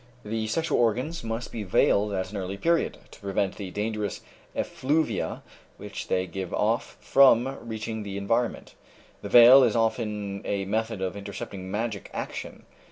"The sexual organs must be veiled at an early period, to prevent the dangerous effluvia which they give off from reaching the environment. The veil is often a method of intercepting magic action.